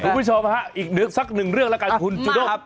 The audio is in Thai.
คุณผู้ชมฮะอีกสักหนึ่งเรื่องแล้วกันคุณจูด้ง